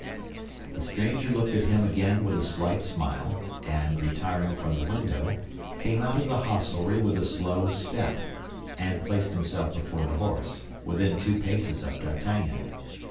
The stranger looked at him again with a slight smile, and retiring from the window, came out of the hostelry with a slow step, and placed himself before the horse, within two paces of D'Artagnan.